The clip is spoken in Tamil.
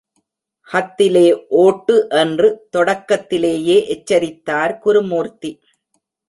ஹத்திலே ஓட்டு என்று தொடக்கத்திலேயே எச்சரித்தார் குருமூர்த்தி.